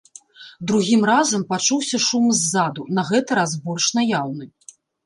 Другім разам пачуўся шум ззаду, на гэты раз больш наяўны.